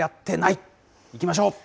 いきましょう。